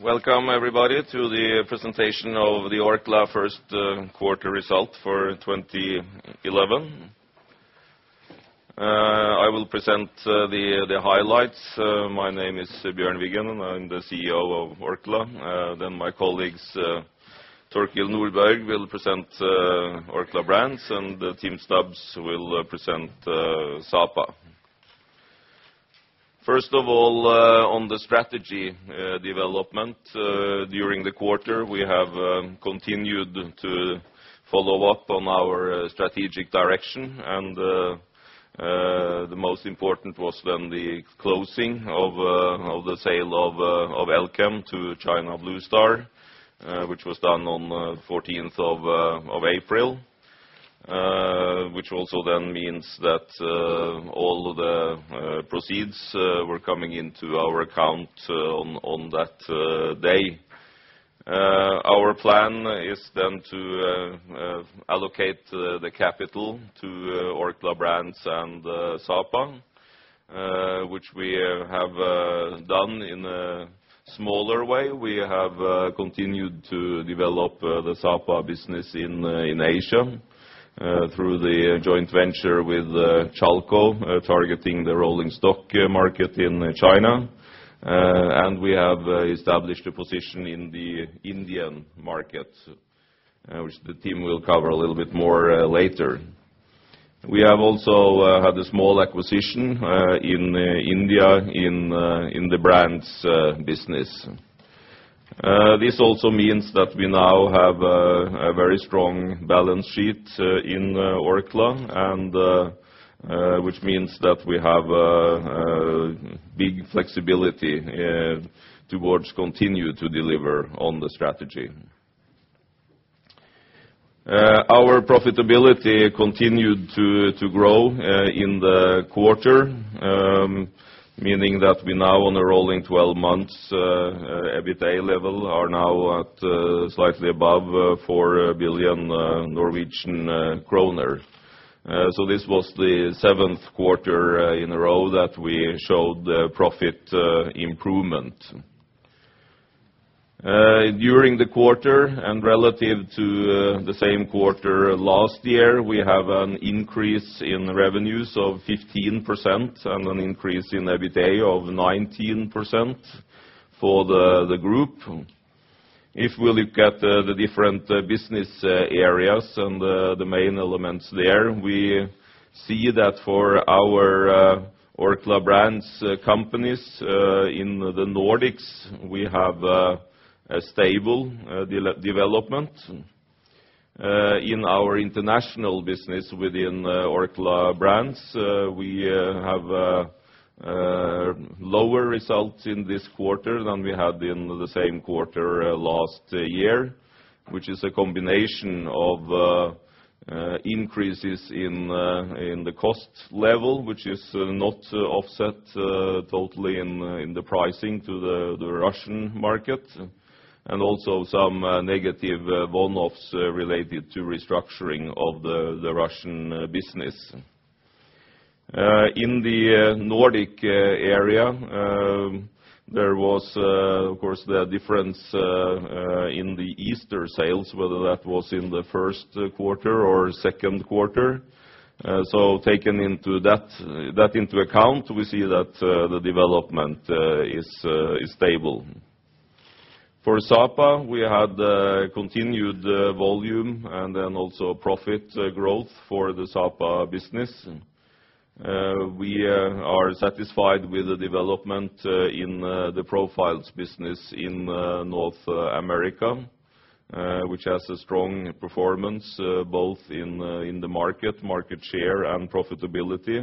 Welcome, everybody, to the presentation of the Orkla first quarter result for 2011. I will present the highlights. My name is Bjørn Wiggen, and I'm the CEO of Orkla. My colleagues, Torkild Nordberg will present Orkla Brands, and Tim Stubbs will present Sapa. First of all, on the strategy development during the quarter, we have continued to follow up on our strategic direction, and the most important was then the closing of the sale of Elkem to China Bluestar, which was done on the 14th of April. Also then means that all the proceeds were coming into our account on that day. Our plan is then to allocate the capital to Orkla Brands and Sapa which we have done in a smaller way. We have continued to develop the Sapa business in Asia through the joint venture with Chalco targeting the rolling stock market in China. We have established a position in the Indian market which the team will cover a little bit more later. We have also had a small acquisition in India in the Brands business. This also means that we now have a very strong balance sheet in Orkla, and which means that we have big flexibility towards continue to deliver on the strategy. Our profitability continued to grow in the quarter, meaning that we now on a rolling 12 months EBITDA level are now at slightly above 4 billion Norwegian kroner. This was the seventh quarter in a row that we showed the profit improvement. During the quarter and relative to the same quarter last year, we have an increase in revenues of 15% and an increase in EBITDA of 19% for the group. If we look at the different business areas and the main elements there, we see that for our Orkla Brands companies in the Nordics, we have a stable development. In our international business within Orkla Brands, we have lower results in this quarter than we had in the same quarter last year, which is a combination of increases in the cost level, which is not offset totally in the pricing to the Russian market, and also some negative one-offs related to restructuring of the Russian business. In the Nordic area, there was of course the difference in the Easter sales, whether that was in the first quarter or second quarter. Taking that into account, we see that the development is stable. For Sapa, we had continued volume and then also profit growth for the Sapa business. We are satisfied with the development in the Profiles business in North America, which has a strong performance both in the market share, and profitability.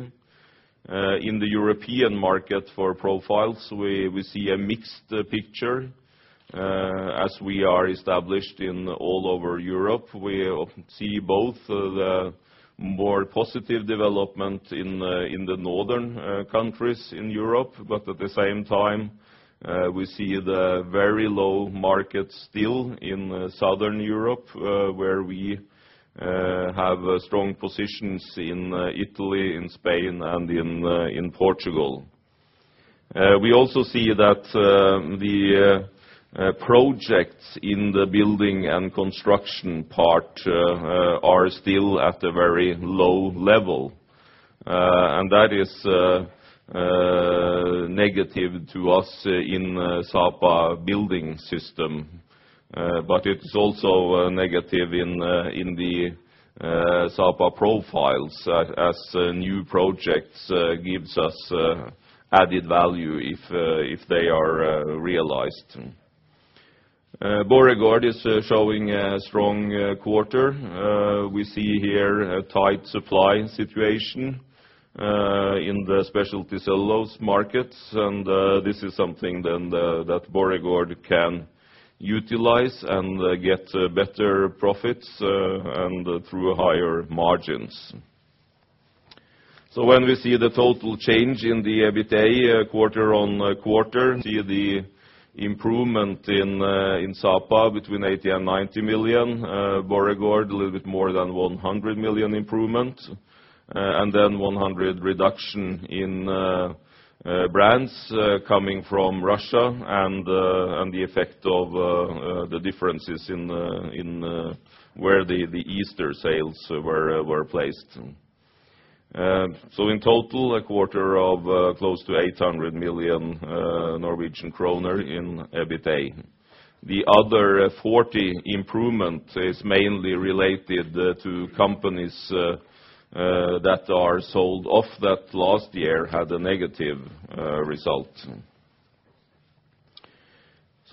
In the European market for Profiles, we see a mixed picture as we are established in all over Europe. We see both the more positive development in the northern countries in Europe, but at the same time, we see the very low market still in Southern Europe, where we have strong positions in Italy, in Spain, and in Portugal. We also see that the projects in the building and construction part are still at a very low level. That is negative to us in Sapa Building System. But it is also negative in the Sapa Profiles, as new projects give us added value if they are realized. Borregaard is showing a strong quarter. We see here a tight supply situation in the specialty cellulose markets, and this is something that Borregaard can utilize and get better profits through higher margins. So when we see the total change in the EBITA, quarter-on-quarter, see the improvement in Sapa between 80 and 90 million NOK, Borregaard, a little bit more than 100 million NOK improvement, and then 100 million NOK reduction in Brands, coming from Russia and the effect of the differences in where the Easter sales were placed. In total, a quarter of close to 800 million Norwegian kroner in EBITA. The other 40 improvement is mainly related to companies that are sold off that last year had a negative result.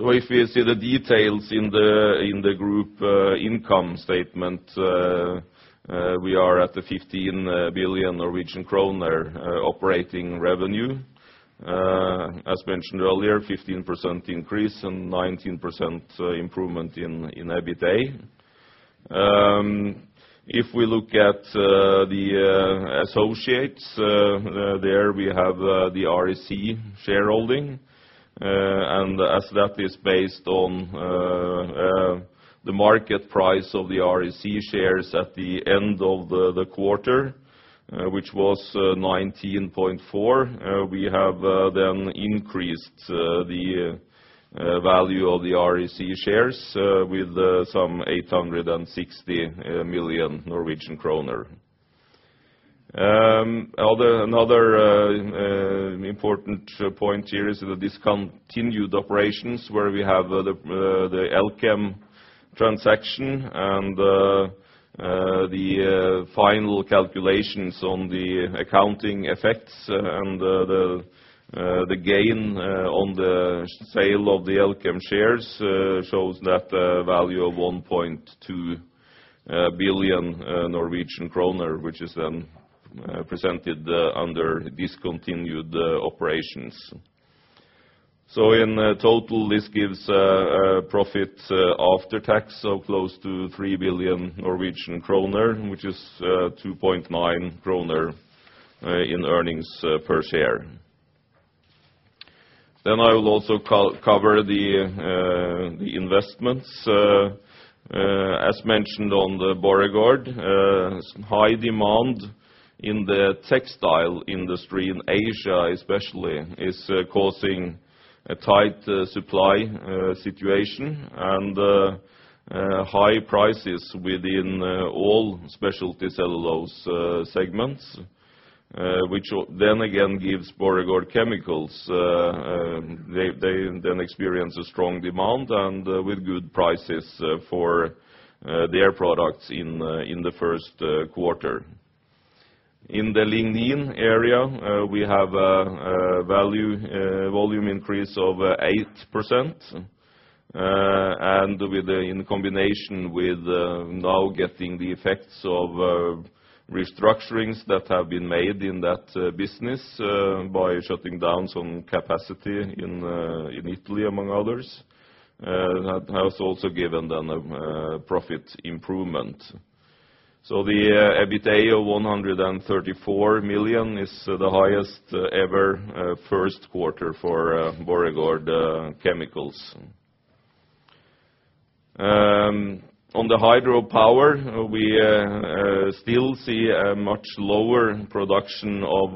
If you see the details in the group income statement, we are at 15 billion Norwegian kroner operating revenue. As mentioned earlier, 15% increase and 19% improvement in EBITA. If we look at the associates, there, we have the REC shareholding, and as that is based on the market price of the REC shares at the end of the quarter, which was 19.4, we have then increased the value of the REC shares with some NOK 860 million. Another important point here is the discontinued operations, where we have the Elkem transaction and the final calculations on the accounting effects and the gain on the sale of the Elkem shares shows that a value of 1.2 billion Norwegian kroner, which is then presented under discontinued operations. In total, this gives a profit after tax of close to 3 billion Norwegian kroner, which is 2.9 kroner in earnings per share. I will also cover the investments. As mentioned on the Borregaard, some high demand in the textile industry, in Asia especially, is causing a tight supply situation and high prices within all specialty cellulose segments. Which will then again gives Borregaard Chemicals, they then experience a strong demand and with good prices for their products in the first quarter. In the Linen area, we have a value volume increase of 8%, and with in combination with now getting the effects of restructurings that have been made in that business by shutting down some capacity in Italy, among others. That has also given them a profit improvement. The EBITA of 134 million is the highest ever first quarter for Borregaard Chemicals. On the hydropower, we still see a much lower production of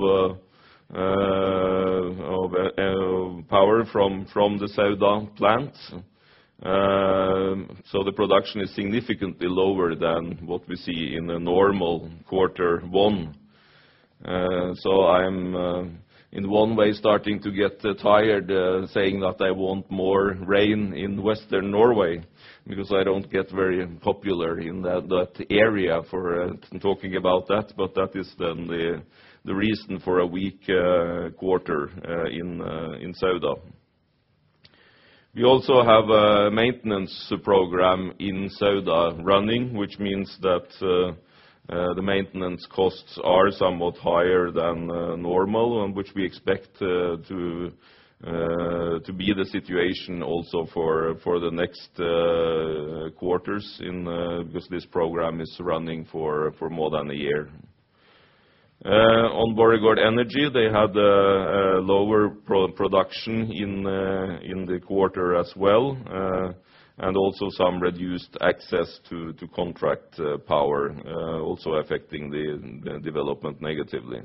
power from the Sauda plant. The production is significantly lower than what we see in a normal quarter one. So I'm in one way, starting to get tired, saying that I want more rain in western Norway, because I don't get very popular in that area for talking about that, but that is then the reason for a weak quarter in Sauda. We also have a maintenance program in Sauda running, which means that the maintenance costs are somewhat higher than normal, and which we expect to be the situation also for the next quarters in because this program is running for more than a year. On Borregaard Energy, they had a lower production in the quarter as well, and also some reduced access to contract power, also affecting the development negatively.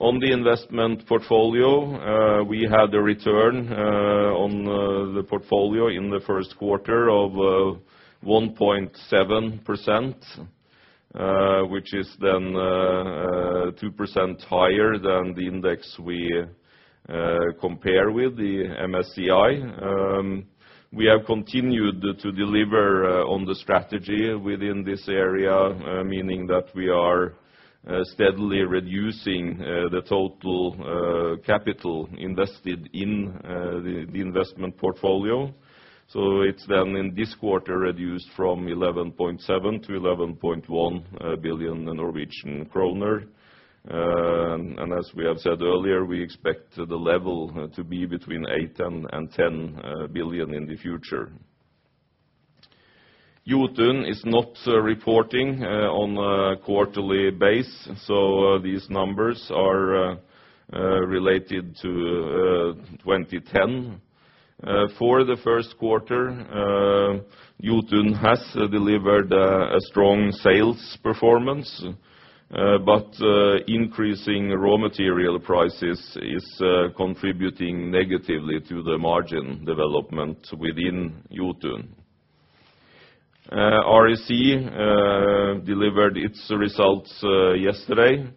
On the investment portfolio, we had a return on the portfolio in the first quarter of 1.7%, which is then 2% higher than the index we compare with, the MSCI. We have continued to deliver on the strategy within this area, meaning that we are steadily reducing the total capital invested in the investment portfolio. It's then in this quarter, reduced from 11.7 billion to 11.1 billion Norwegian kroner. As we have said earlier, we expect the level to be between 8 billion and 10 billion in the future. Jotun is not reporting on a quarterly base, so these numbers are related to 2010. For the first quarter, Jotun has delivered a strong sales performance, but increasing raw material prices is contributing negatively to the margin development within Jotun. REC delivered its results yesterday.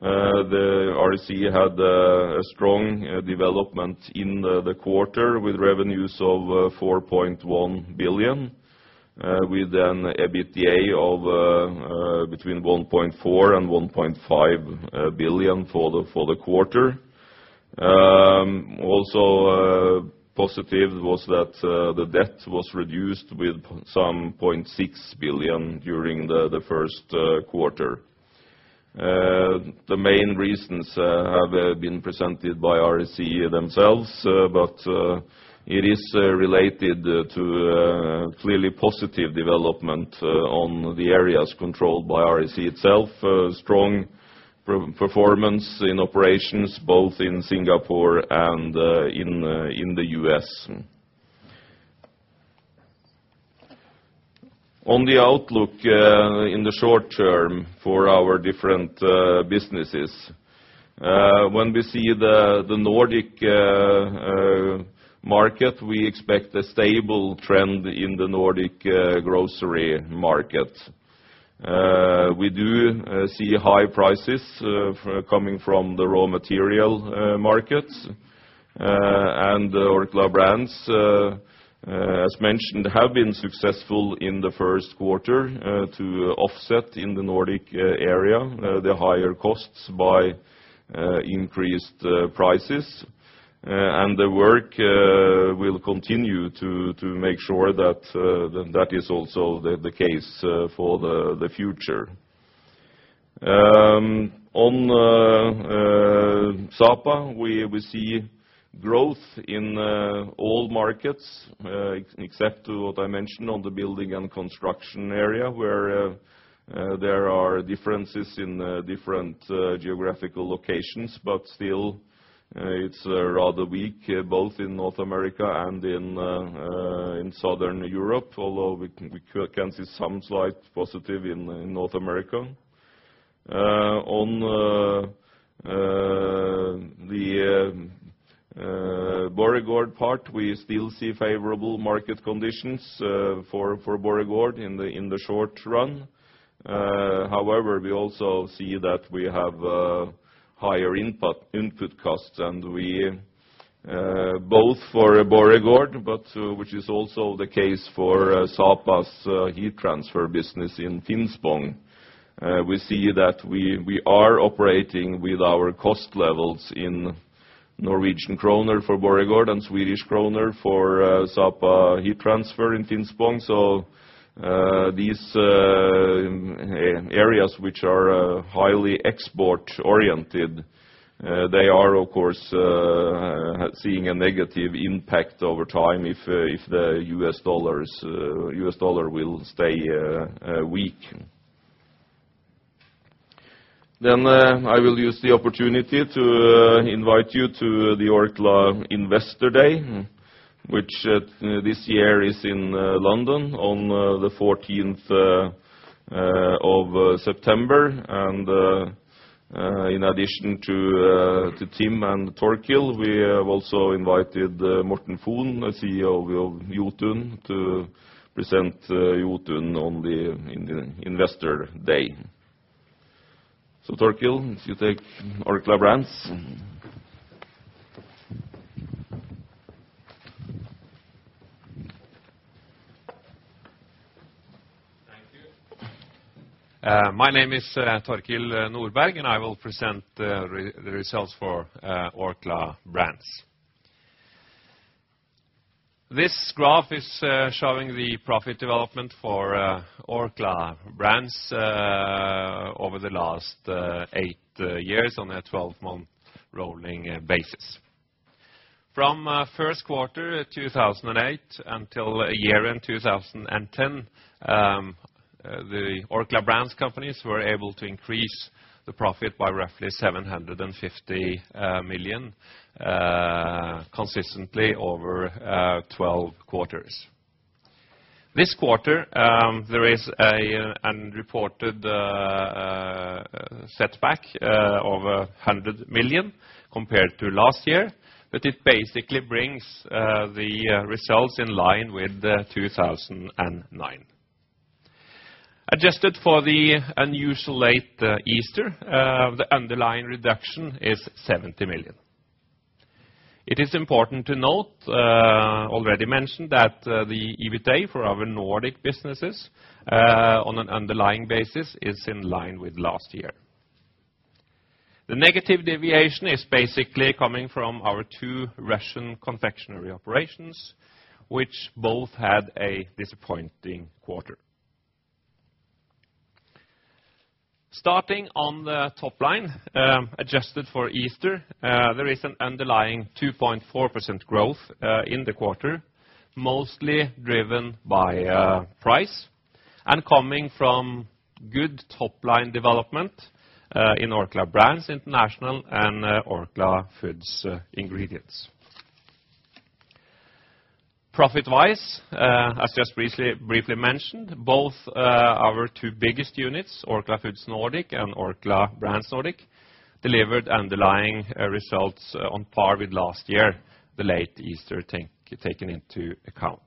The REC had a strong development in the quarter, with revenues of 4.1 billion, with an EBITDA of between 1.4 billion and 1.5 billion for the quarter. Also, positive was that the debt was reduced with some 0.6 billion during the first quarter. The main reasons have been presented by REC themselves, but it is related to clearly positive development on the areas controlled by REC itself. Strong performance in operations, both in Singapore and in the U.S. On the outlook in the short term for our different businesses, when we see the Nordic market, we expect a stable trend in the Nordic grocery market. We do see high prices coming from the raw material markets. Orkla Brands, as mentioned, have been successful in the first quarter to offset in the Nordic area the higher costs by increased prices. The work will continue to make sure that is also the case for the future. On Sapa, we see growth in all markets, except what I mentioned on the building and construction area, where there are differences in different geographical locations, but still, it's rather weak, both in North America and in Southern Europe, although we can see some slight positive in North America. On the Borregaard part, we still see favorable market conditions for Borregaard in the short run. However, we also see that we have higher input costs, and we both for Borregaard, but which is also the case for Sapa's heat transfer business in Finspång. We see that we are operating with our cost levels in NOK for Borregaard and SEK for Sapa heat transfer in Finspång. These areas, which are highly export-oriented, they are, of course, seeing a negative impact over time if the U.S dollar will stay weak. I will use the opportunity to invite you to the Orkla Investor Day, which this year is in London on the 14th of September. In addition to Tim and Torkil, we have also invited Morten Fon, CEO of Jotun, to present Jotun on the Investor Day. Torkil, you take Orkla Brands. Thank you. My name is Torkild Nordberg, and I will present the results for Orkla Brands. This graph is showing the profit development for Orkla Brands over the last 8 years on a 12-month rolling basis. From first quarter 2008 until year-end 2010, the Orkla Brands companies were able to increase the profit by roughly 750 million consistently over 12 quarters. This quarter, there is a reported setback of 100 million compared to last year, but it basically brings the results in line with 2009. Adjusted for the unusually late Easter, the underlying reduction is 70 million. It is important to note, already mentioned, that the EBITA for our Nordic businesses, on an underlying basis, is in line with last year. The negative deviation is basically coming from our two Russian confectionery operations, which both had a disappointing quarter. Starting on the top line, adjusted for Easter, there is an underlying 2.4% growth in the quarter, mostly driven by price, and coming from good top-line development in Orkla Brands International and Orkla Food Ingredients. Profit-wise, as just briefly mentioned, both our two biggest units, Orkla Foods Nordic and Orkla Brands Nordic, delivered underlying results on par with last year, the late Easter taken into account.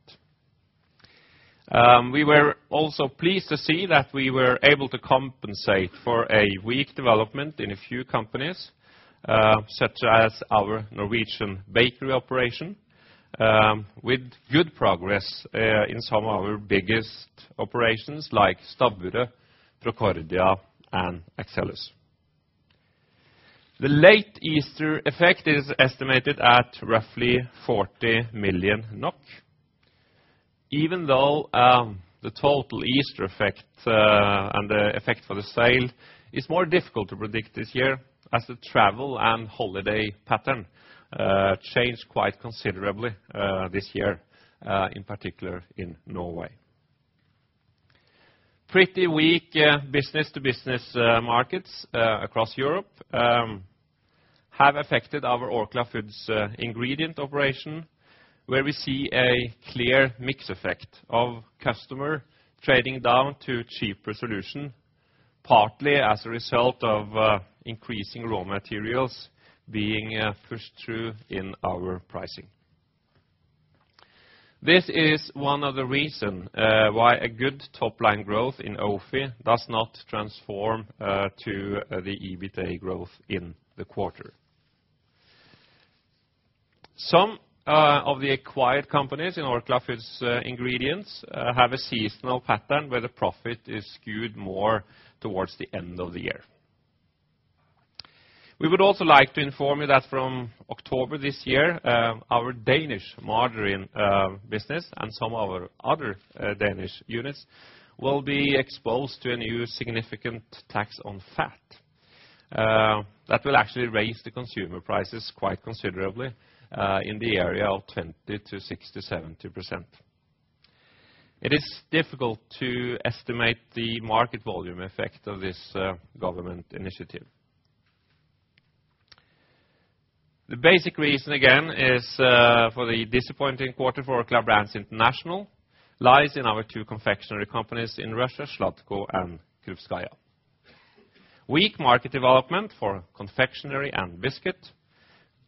We were also pleased to see that we were able to compensate for a weak development in a few companies, such as our Norwegian bakery operation, with good progress, in some of our biggest operations, like Stavre, Procordia, and Axcelis. The late Easter effect is estimated at roughly 40 million NOK. The total Easter effect, and the effect for the sale is more difficult to predict this year as the travel and holiday pattern changed quite considerably this year, in particular in Norway. Pretty weak business-to-business markets across Europe have affected our Orkla Foods ingredient operation, where we see a clear mix effect of customer trading down to cheaper solution, partly as a result of increasing raw materials being pushed through in our pricing. This is one of the reason why a good top-line growth in OFI does not transform to the EBITA growth in the quarter. Some of the acquired companies in Orkla Food Ingredients have a seasonal pattern where the profit is skewed more towards the end of the year. We would also like to inform you that from October this year, our Danish margarine business and some of our other Danish units will be exposed to a new significant tax on fat. That will actually raise the consumer prices quite considerably in the area of 20% to 60%-70%. It is difficult to estimate the market volume effect of this government initiative. The basic reason, again, is for the disappointing quarter for Orkla Brands International, lies in our two confectionery companies in Russia, SladCo and Krupskaya. Weak market development for confectionery and biscuit,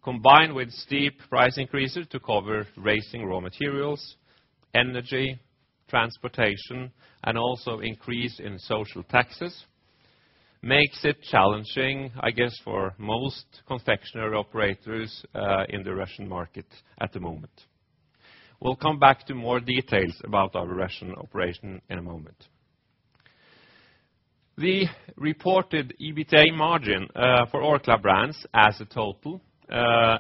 combined with steep price increases to cover raising raw materials, energy, transportation, and also increase in social taxes, makes it challenging, I guess, for most confectionery operators in the Russian market at the moment. We'll come back to more details about our Russian operation in a moment. The reported EBITA margin for Orkla Brands as a total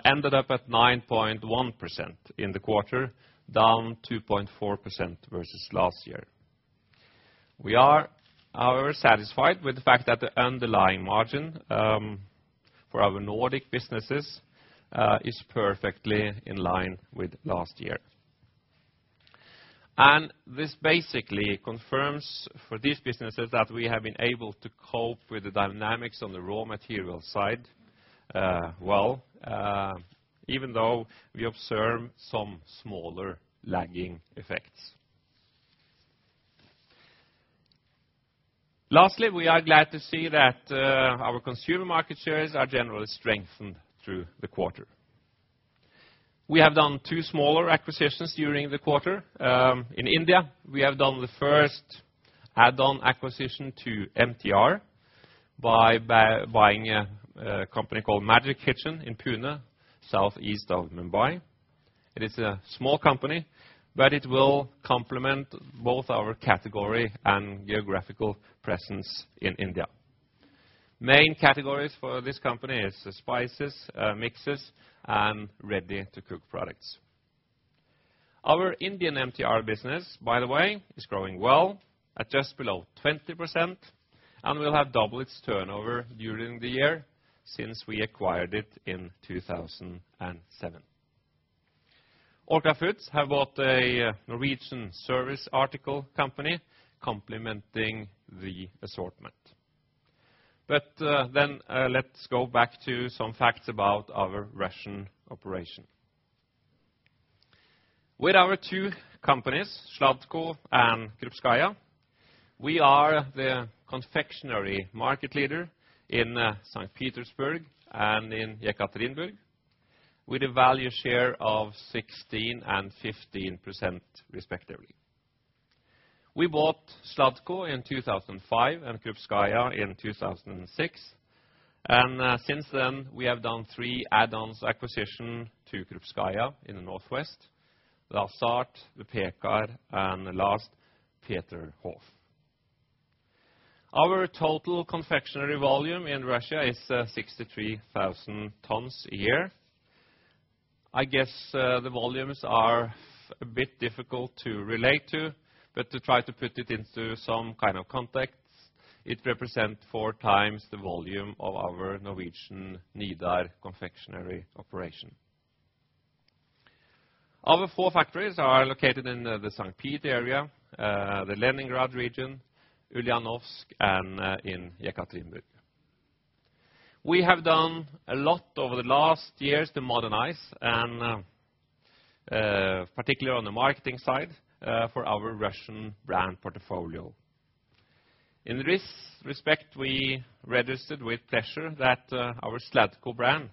ended up at 9.1% in the quarter, down 2.4% versus last year. We are, however, satisfied with the fact that the underlying margin for our Nordic businesses is perfectly in line with last year. This basically confirms for these businesses that we have been able to cope with the dynamics on the raw material side, well, even though we observe some smaller lagging effects. Lastly, we are glad to see that our consumer market shares are generally strengthened through the quarter. We have done two smaller acquisitions during the quarter. In India, we have done the first add-on acquisition to MTR by buying a company called Magic Kitchen in Pune, southeast of Mumbai. It is a small company, it will complement both our category and geographical presence in India. Main categories for this company is spices, mixes, and ready-to-cook products. Our Indian MTR business, by the way, is growing well at just below 20% and will have doubled its turnover during the year since we acquired it in 2007. Orkla Foods have bought a Norwegian service article company, complementing the assortment. Let's go back to some facts about our Russian operation. With our two companies, SladCo and Krupskaya, we are the confectionery market leader in St. Petersburg and in Yekaterinburg, with a value share of 16% and 15% respectively. We bought SladCo in 2005, Krupskaya in 2006. Since then, we have done three add-ons acquisition to Krupskaya in the northwest: Larsart, Pekar, and the last, Peterhof. Our total confectionery volume in Russia is 63,000 tons a year. I guess the volumes are a bit difficult to relate to, but to try to put it into some kind of context, it represent 4x the volume of our Norwegian Nidar confectionery operation. Our four factories are located in the St. Pete area, the Leningrad region, Ulyanovsk, and in Yekaterinburg. We have done a lot over the last years to modernize, particularly on the marketing side, for our Russian brand portfolio. In this respect, we registered with pleasure that our Slutsko brand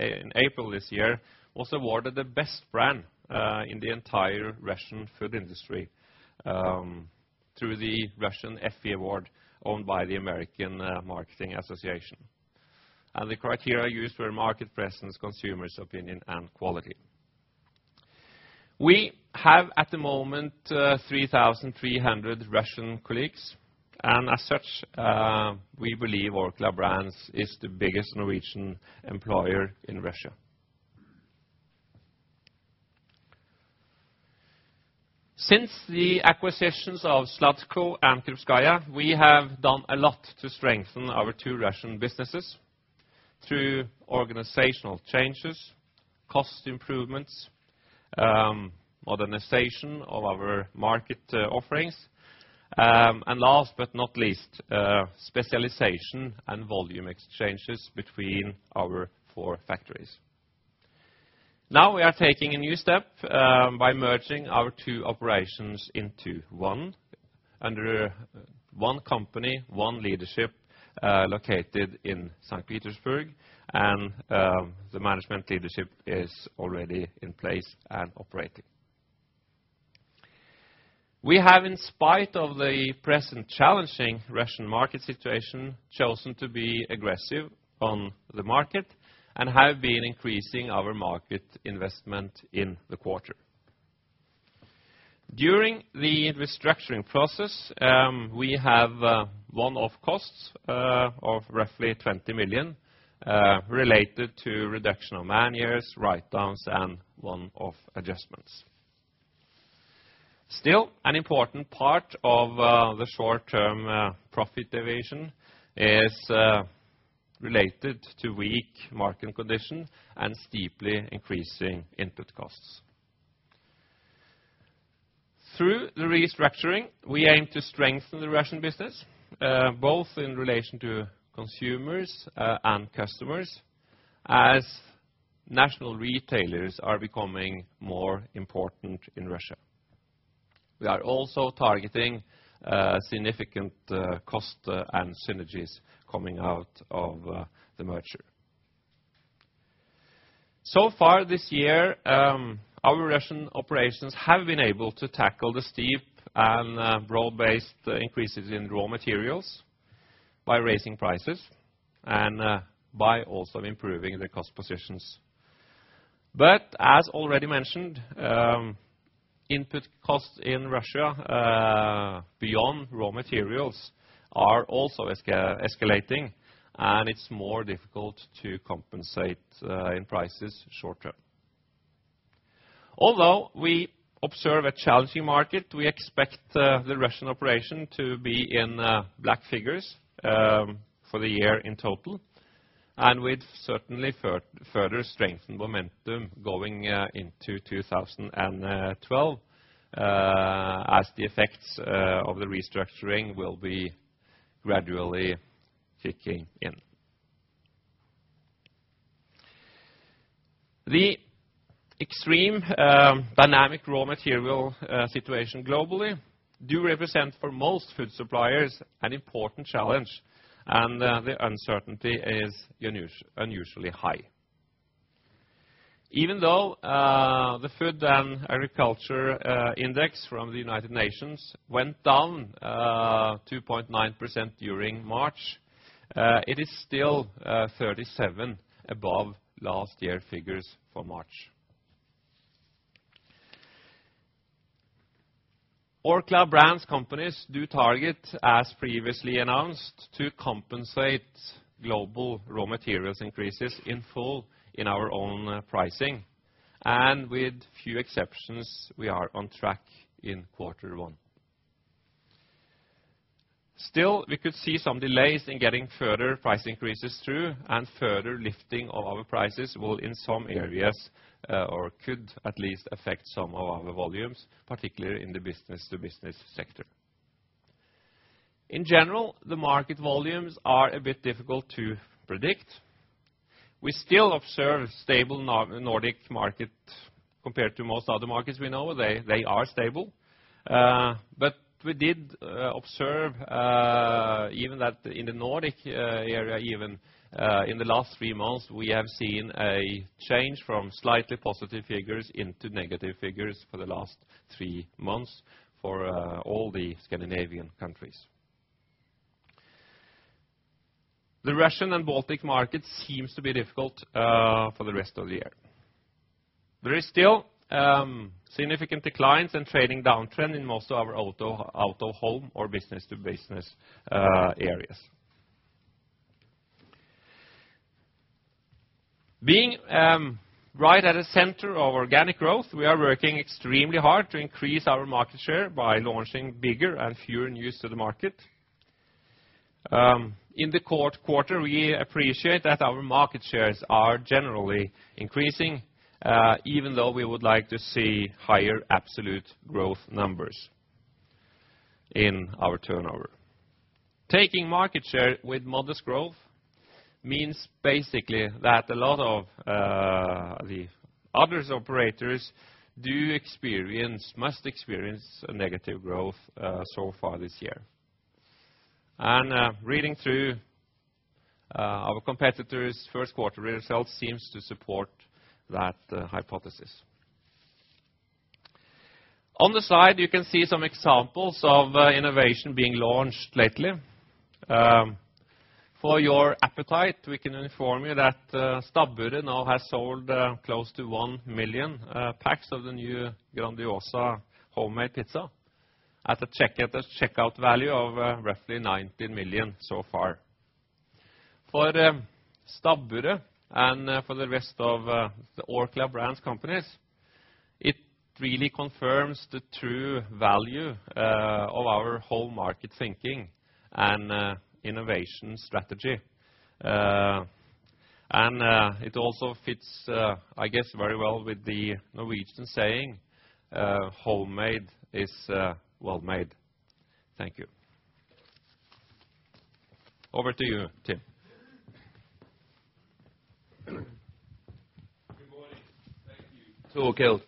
in April this year, was awarded the best brand in the entire Russian food industry, through the Russian Effie Award, owned by the American Marketing Association. The criteria used were market presence, consumers' opinion, and quality. We have, at the moment, 3,300 Russian colleagues, and as such, we believe Orkla Brands is the biggest Norwegian employer in Russia. Since the acquisitions of Slutsko and Krupskaya, we have done a lot to strengthen our two Russian businesses through organizational changes, cost improvements, modernization of our market offerings, and last but not least, specialization and volume exchanges between our four factories. Now we are taking a new step by merging our two operations into one, under one company, one leadership, located in St. Petersburg, and the management leadership is already in place and operating. We have, in spite of the present challenging Russian market situation, chosen to be aggressive on the market and have been increasing our market investment in the quarter. During the restructuring process, we have one-off costs of roughly 20 million related to reduction of man-years, write-downs, and one-off adjustments. Still, an important part of the short-term profit deviation is related to weak market condition and steeply increasing input costs. Through the restructuring, we aim to strengthen the Russian business both in relation to consumers and customers, as national retailers are becoming more important in Russia. We are also targeting significant cost and synergies coming out of the merger. Far this year, our Russian operations have been able to tackle the steep and broad-based increases in raw materials by raising prices and by also improving the cost positions. As already mentioned, input costs in Russia, beyond raw materials, are also escalating, and it's more difficult to compensate in prices short term. Although we observe a challenging market, we expect the Russian operation to be in black figures for the year in total, and with certainly further strengthened momentum going into 2012 as the effects of the restructuring will be gradually kicking in. The extreme dynamic raw material situation globally do represent, for most food suppliers, an important challenge. The uncertainty is unusually high. Even though the Food and Agriculture index from the United Nations went down 2.9% during March, it is still 37 above last year figures for March. Orkla Brands companies do target, as previously announced, to compensate global raw materials increases in full in our own pricing, and with few exceptions, we are on track in quarter one. Still, we could see some delays in getting further price increases through, and further lifting of our prices will, in some areas, or could at least affect some of our volumes, particularly in the business-to-business sector. In general, the market volumes are a bit difficult to predict. We still observe stable Nordic market. Compared to most other markets we know, they are stable. We did observe even that in the Nordic area, even in the last three months, we have seen a change from slightly positive figures into negative figures for the last three months for all the Scandinavian countries. The Russian and Baltic markets seems to be difficult for the rest of the year. There is still significant declines and trading downtrend in most of our auto, home, or business-to-business areas. Being right at the center of organic growth, we are working extremely hard to increase our market share by launching bigger and fewer news to the market. In the fourth quarter, we appreciate that our market shares are generally increasing even though we would like to see higher absolute growth numbers in our turnover. Taking market share with modest growth means basically that a lot of the other operators must experience a negative growth so far this year. Reading through our competitors' first quarter results seems to support that hypothesis. On the side, you can see some examples of innovation being launched lately. For your appetite, we can inform you that Stabburet now has sold close to 1 million packs of the new Grandiosa homemade pizza at a check-out value of roughly 19 million so far. For Stabburet and for the rest of the Orkla Brands companies, it really confirms the true value of our whole market thinking and innovation strategy. It also fits, I guess, very well with the Norwegian saying, "Homemade is well made." Thank you. Over to you, Tim. Good morning. Thank you, Torkild. I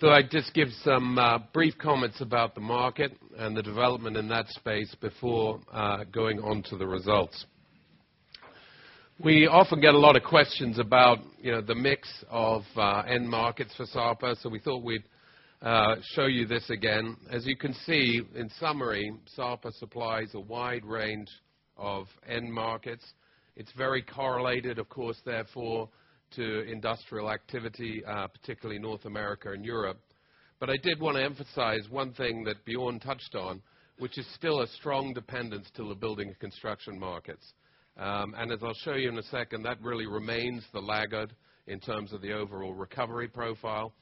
thought I'd just give some brief comments about the market and the development in that space before going on to the results. We often get a lot of questions about, you know, the mix of end markets for Sapa, so we thought we'd show you this again. As you can see, in summary, Sapa supplies a wide range of end markets. It's very correlated, of course, therefore, to industrial activity, particularly North America and Europe. I did want to emphasize one thing that Björn touched on, which is still a strong dependence to the building and construction markets. As I'll show you in a second, that really remains the laggard in terms of the overall recovery profile.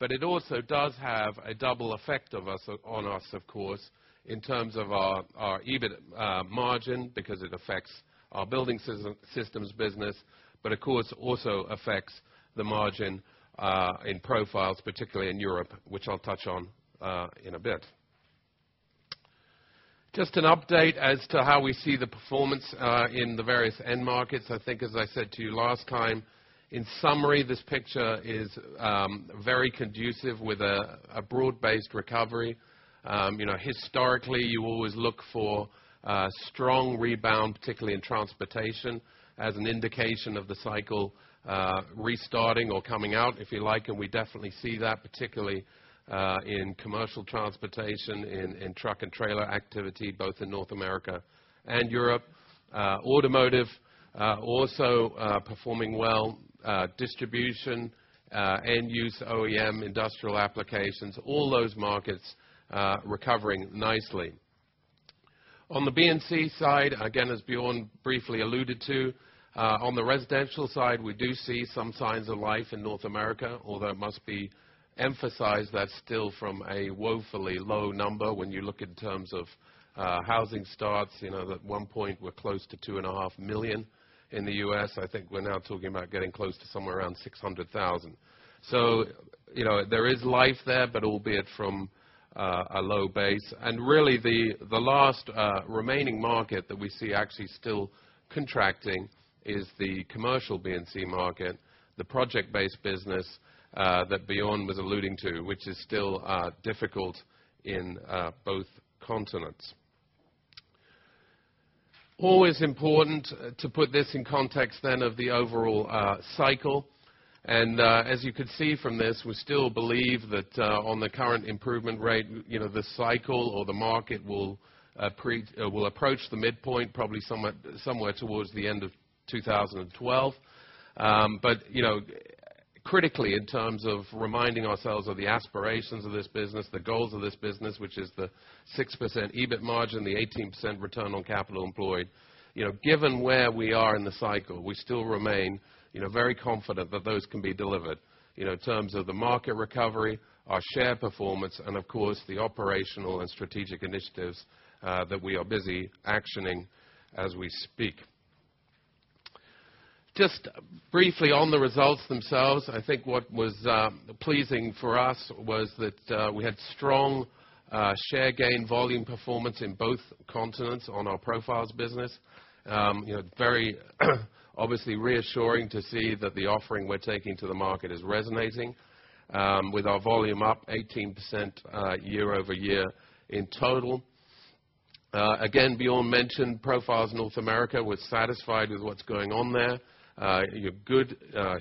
It also does have a double effect of us, on us, of course, in terms of our EBIT margin, because it affects our building systems business, but of course, also affects the margin in profiles, particularly in Europe, which I'll touch on in a bit. Just an update as to how we see the performance in the various end markets. I think as I said to you last time, in summary, this picture is very conducive with a broad-based recovery. You know, historically, you always look for a strong rebound, particularly in transportation, as an indication of the cycle restarting or coming out, if you like, and we definitely see that, particularly in commercial transportation, in truck and trailer activity, both in North America and Europe. Automotive, also, performing well, distribution, end use, OEM, industrial applications, all those markets, recovering nicely. On the BNC side, again, as Bjørn briefly alluded to, on the residential side, we do see some signs of life in North America, although it must be emphasized, that's still from a woefully low number. When you look in terms of housing starts, you know, at one point, we're close to 2.5 million in the U.S. I think we're now talking about getting close to somewhere around 600,000. You know, there is life there, but albeit from a low base. Really, the last remaining market that we see actually still contracting is the commercial BNC market, the project-based business that Bjørn was alluding to, which is still difficult in both continents. Always important to put this in context then of the overall cycle. As you can see from this, we still believe that on the current improvement rate, you know, the cycle or the market will approach the midpoint, probably somewhat, somewhere towards the end of 2012. Critically, you know, in terms of reminding ourselves of the aspirations of this business, the goals of this business, which is the 6% EBIT margin, the 18% return on capital employed. You know, given where we are in the cycle, we still remain, you know, very confident that those can be delivered, you know, in terms of the market recovery, our share performance, and of course, the operational and strategic initiatives that we are busy actioning as we speak. Just briefly on the results themselves, I think what was pleasing for us was that we had strong share gain volume performance in both continents on our profiles business. You know, very, obviously reassuring to see that the offering we're taking to the market is resonating with our volume up 18% year-over-year in total. Again, Björn mentioned profiles in North America. We're satisfied with what's going on there. You know, good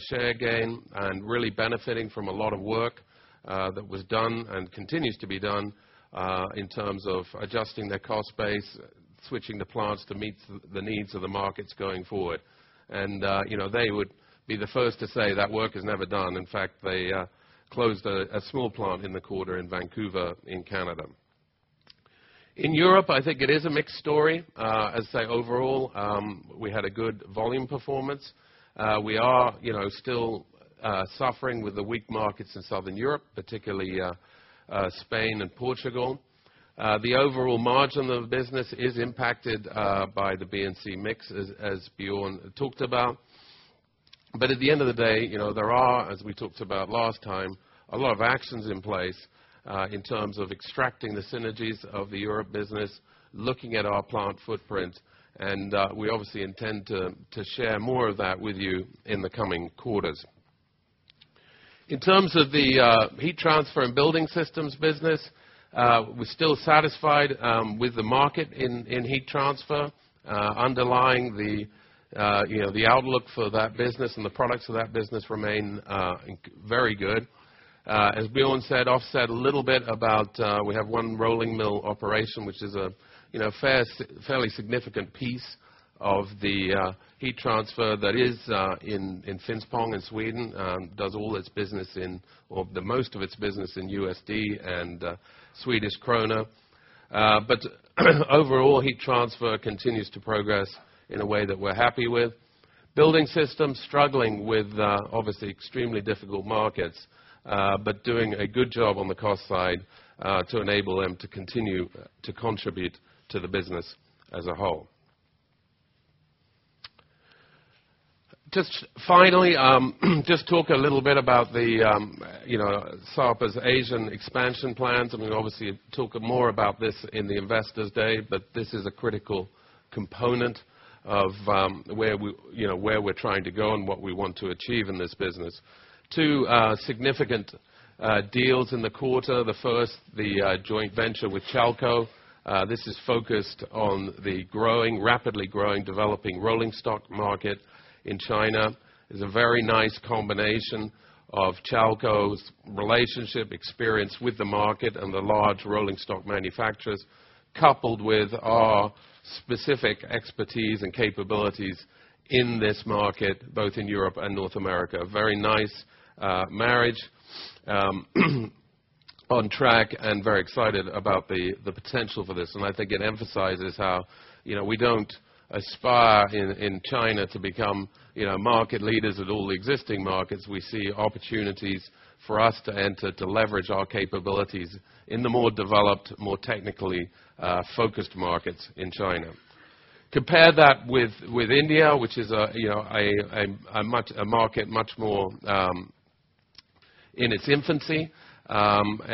share gain and really benefiting from a lot of work.... that was done and continues to be done in terms of adjusting their cost base, switching the plants to meet the needs of the markets going forward. You know, they would be the first to say that work is never done. In fact, they closed a small plant in the quarter in Vancouver, in Canada. In Europe, I think it is a mixed story. As I say, overall, we had a good volume performance. We are, you know, still suffering with the weak markets in Southern Europe, particularly Spain and Portugal. The overall margin of business is impacted by the BNC mix, as Björn talked about. At the end of the day, you know, there are, as we talked about last time, a lot of actions in place in terms of extracting the synergies of the Europe business, looking at our plant footprint, and we obviously intend to share more of that with you in the coming quarters. In terms of the Heat Transfer and Building Systems business, we're still satisfied with the market in Heat Transfer. Underlying the, you know, the outlook for that business and the products of that business remain very good. As Björn said, offset a little bit about, we have one rolling mill operation, which is a, you know, fairly significant piece of the Heat Transfer that is in Finspång, in Sweden. Does all its business in or the most of its business in USD and Swedish krona. Overall, Heat Transfer continues to progress in a way that we're happy with. Building Systems, struggling with obviously extremely difficult markets, but doing a good job on the cost side to enable them to continue to contribute to the business as a whole. Just finally, just talk a little bit about the, you know, Sapa's Asian expansion plans, and we obviously talk more about this in the Investor's Day, but this is a critical component of, where we, you know, where we're trying to go and what we want to achieve in this business. Two significant deals in the quarter. The first, the joint venture with Chalco. This is focused on the growing, rapidly growing, developing rolling stock market in China. It's a very nice combination of Chalco's relationship, experience with the market, and the large rolling stock manufacturers, coupled with our specific expertise and capabilities in this market, both in Europe and North America. Very nice marriage, on track, and very excited about the potential for this. I think it emphasizes how, you know, we don't aspire in China to become, you know, market leaders at all the existing markets. We see opportunities for us to enter, to leverage our capabilities in the more developed, more technically focused markets in China. Compare that with India, which is, you know, a market much more in its infancy. We're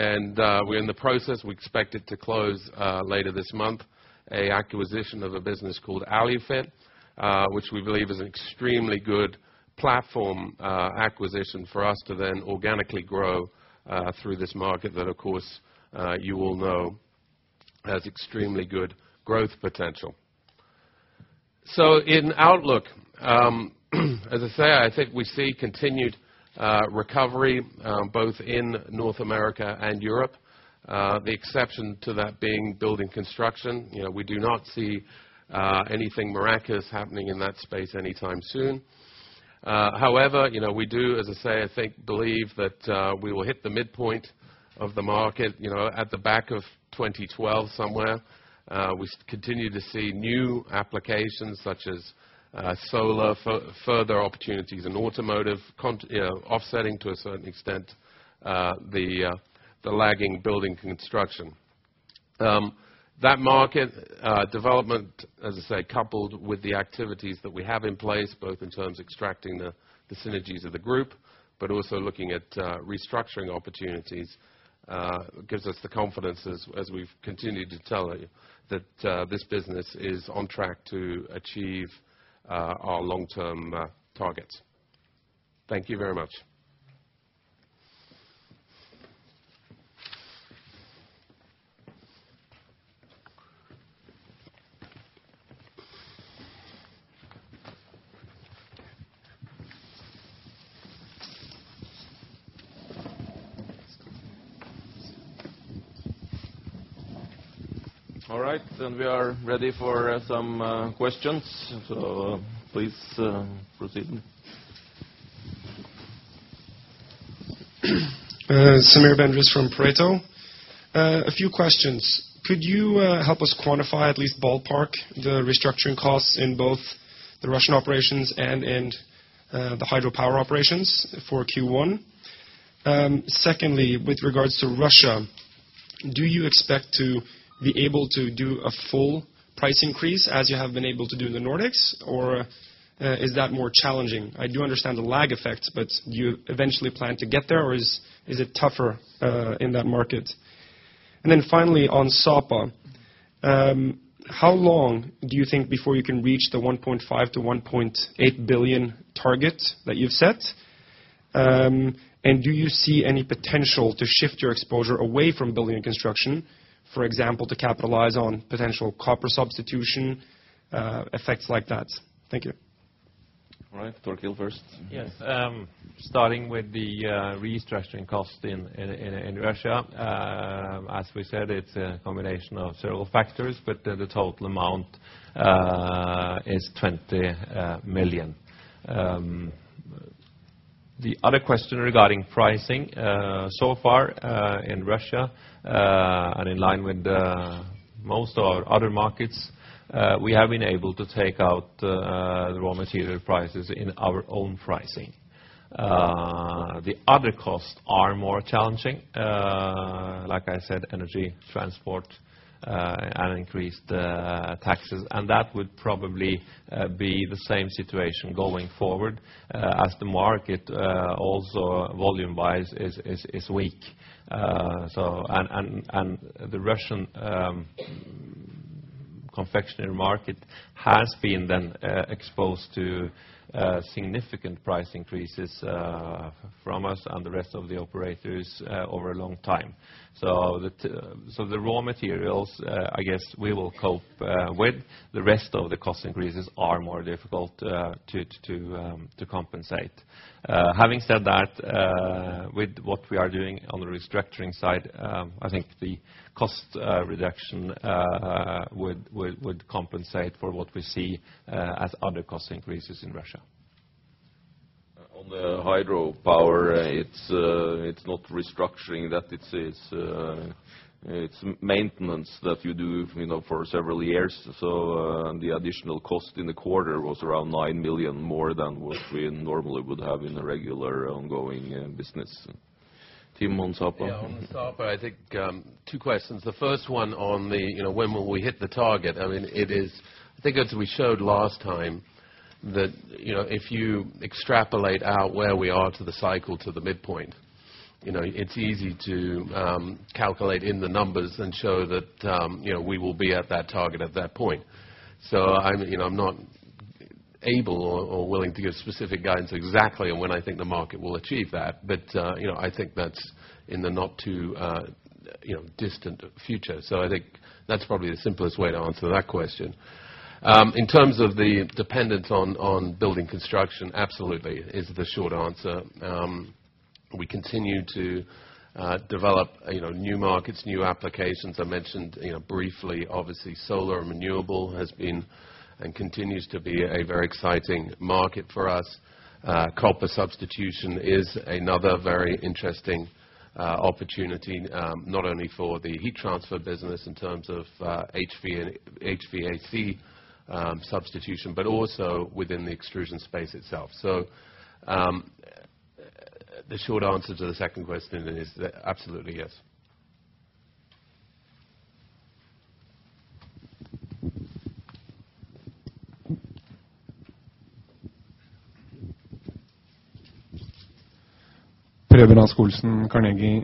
in the process, we expect it to close later this month, an acquisition of a business called Alufit, which we believe is an extremely good platform acquisition for us to then organically grow through this market, that, of course, you all know has extremely good growth potential. In outlook, as I say, I think we see continued recovery both in North America and Europe. The exception to that being building construction. You know, we do not see anything miraculous happening in that space anytime soon. However, you know, we do, as I say, I think, believe that we will hit the midpoint of the market, you know, at the back of 2012 somewhere. We continue to see new applications such as solar, further opportunities in automotive, offsetting to a certain extent the lagging building construction. That market development, as I say, coupled with the activities that we have in place, both in terms of extracting the synergies of the group, but also looking at restructuring opportunities, gives us the confidence as we've continued to tell you, that this business is on track to achieve our long-term targets. Thank you very much. All right, we are ready for some questions, so please proceed. Samir Bendriss from Pareto. A few questions: Could you help us quantify, at least ballpark, the restructuring costs in both the Russian operations and in the hydropower operations for Q1? Secondly, with regards to Russia, do you expect to be able to do a full price increase, as you have been able to do in the Nordics, or is that more challenging? I do understand the lag effects, but do you eventually plan to get there, or is it tougher in that market? Finally, on Sapa, how long do you think before you can reach the 1.5 billion-1.8 billion target that you've set? Do you see any potential to shift your exposure away from building and construction, for example, to capitalize on potential copper substitution effects like that? Thank you. All right, Torkil first. Yes, starting with the restructuring cost in Russia. As we said, it's a combination of several factors, but the total amount is 20 million. The other question regarding pricing, so far in Russia, and in line with most of our other markets, we have been able to take out the raw material prices in our own pricing. The other costs are more challenging. Like I said, energy, transport, and increased taxes, and that would probably be the same situation going forward, as the market, also volume-wise, is weak. The Russian confectionery market has been then exposed to significant price increases from us and the rest of the operators over a long time. The raw materials, I guess we will cope with. The rest of the cost increases are more difficult to compensate. Having said that, with what we are doing on the restructuring side, I think the cost reduction would compensate for what we see as other cost increases in Russia. On the hydropower, it's not restructuring that, it's maintenance that you do, you know, for several years. The additional cost in the quarter was around 9 million more than what we normally would have in a regular ongoing business. Tim on Sapa? On Sapa, I think, two questions. The first one on the, you know, when will we hit the target? I mean, I think as we showed last time, that, you know, if you extrapolate out where we are to the cycle, to the midpoint, you know, it's easy to calculate in the numbers and show that, you know, we will be at that target at that point. I'm, you know, I'm not able or willing to give specific guidance exactly on when I think the market will achieve that. I think that's in the not too, you know, distant future. I think that's probably the simplest way to answer that question. In terms of the dependence on building construction, absolutely is the short answer. We continue to develop, you know, new markets, new applications. I mentioned, you know, briefly, obviously, solar and renewable has been and continues to be a very exciting market for us. Copper substitution is another very interesting opportunity, not only for the heat transfer business in terms of HVAC substitution, but also within the extrusion space itself. The short answer to the second question then is that absolutely, yes. Preben Rasch-Olsen, Carnegie.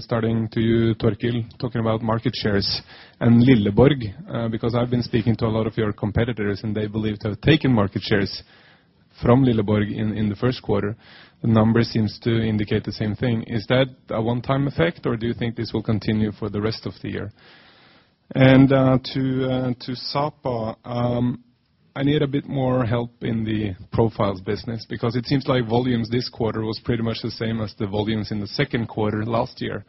Starting to you, Torkild, talking about market shares and Lilleborg. Because I've been speaking to a lot of your competitors, and they believe to have taken market shares from Lilleborg in the first quarter. The numbers seems to indicate the same thing. Is that a one-time effect, or do you think this will continue for the rest of the year? To Sapa, I need a bit more help in the Profiles business, because it seems like volumes this quarter was pretty much the same as the volumes in the second quarter last year.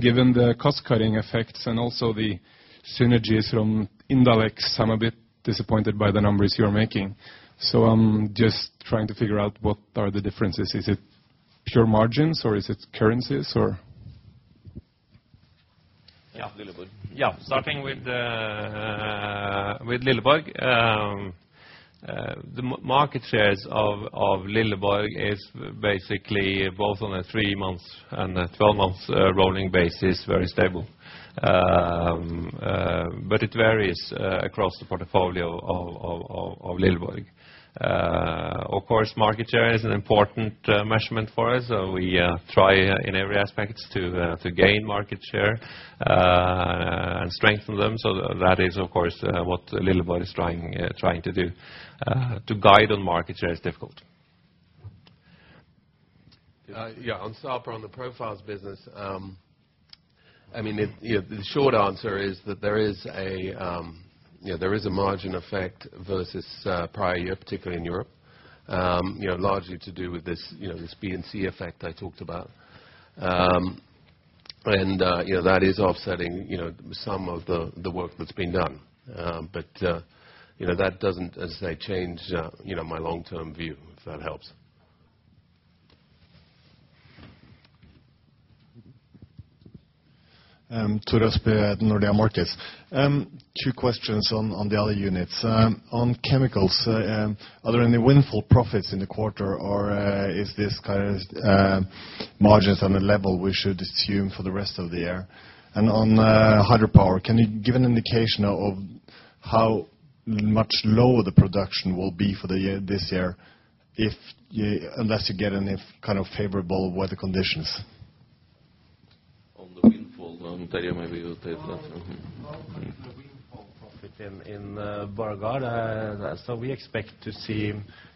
Given the cost-cutting effects and also the synergies from Indalex, I'm a bit disappointed by the numbers you are making. I'm just trying to figure out what are the differences. Is it pure margins, or is it currencies, or? Starting with Lilleborg. The market shares of Lilleborg is basically both on a three-month and a twelve-month rolling basis, very stable. It varies across the portfolio of Lilleborg. Of course, market share is an important measurement for us, we try in every aspect to gain market share and strengthen them. That is, of course, what Lilleborg is trying to do. To guide on market share is difficult. Yeah, on Sapa, on the profiles business, I mean, you know, the short answer is that there is a, you know, there is a margin effect versus prior year, particularly in Europe. You know, largely to do with this, you know, this B and C effect I talked about. That is offsetting, you know, some of the work that's been done. That doesn't, as I say, change, you know, my long-term view, if that helps. Tore Østby at Nordea Markets. Two questions on the other units. On chemicals, are there any windfall profits in the quarter, or is this kind of margins on the level we should assume for the rest of the year? On hydropower, can you give an indication of how much lower the production will be for the year, this year, unless you get any kind of favorable weather conditions? On the windfall, Torkild, maybe you take that? Well, on the windfall profit in Borregaard, we expect to see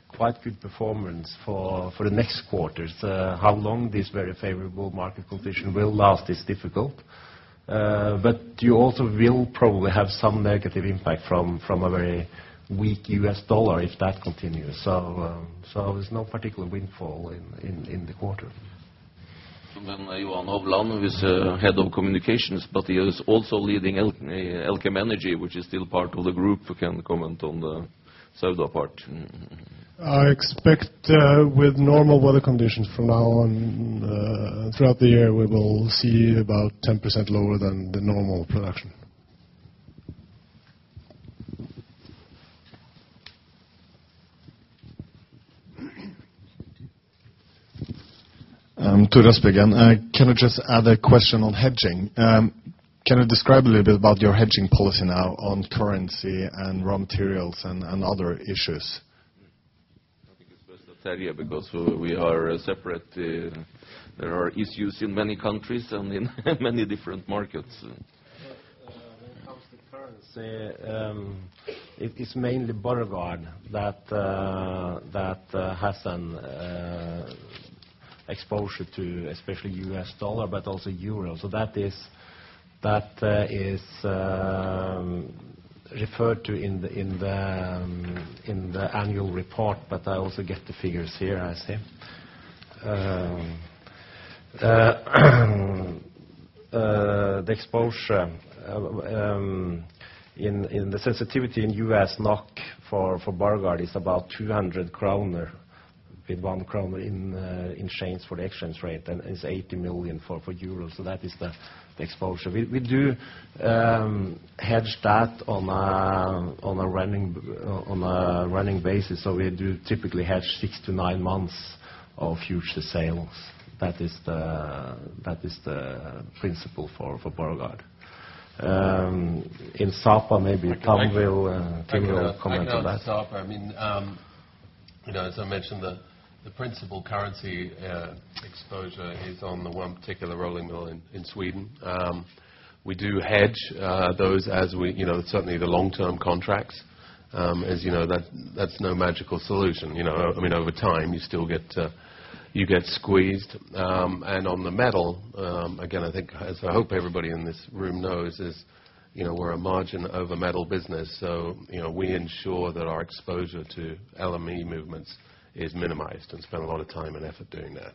quite good performance for the next quarters. How long this very favorable market condition will last is difficult. You also will probably have some negative impact from a very weak U.S dollar if that continues. There's no particular windfall in the quarter. Johan Hovland, who is Head of Communications, but he is also leading Elkem Energi, which is still part of the group, who can comment on the Sauda part. I expect, with normal weather conditions from now on, throughout the year, we will see about 10% lower than the normal production. To just begin, can I just add a question on hedging? Can you describe a little bit about your hedging policy now on currency and raw materials and other issues? I think it's best to tell you, because we are a separate. There are issues in many countries and in many different markets. It is mainly Borregaard that has an exposure to especially U.S dollar, but also euro. That is referred to in the annual report, but I also get the figures here, I see. The exposure in the sensitivity in U.S NOK for Borregaard is about 200 kroner, with NOK one in chains for the exchange rate, and it's 80 million euros, that is the exposure. We do hedge that on a running basis, we do typically hedge six to nine months of future sales. That is the principle for Borregaard. In Sapa, maybe Tom will give a comment on that. I can answer Sapa. I mean, you know, as I mentioned, the principal currency exposure is on the one particular rolling mill in Sweden. We do hedge those as we, you know, certainly the long-term contracts. As you know, that's no magical solution, you know. I mean, over time, you still get, you get squeezed. On the metal, again, I think, as I hope everybody in this room knows, is, you know, we're a margin over metal business, so, you know, we ensure that our exposure to LME movements is minimized, and spend a lot of time and effort doing that.